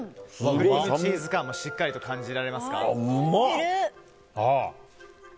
クリームチーズ感もしっかりと感じられますか。